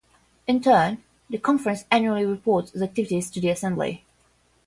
In turn, the conference annually reports its activities to the Assembly.